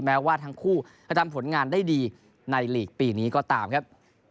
แม้ว่าทั้งคู่จะทำผลงานได้ดีในลีกปีนี้ก็ตามครับ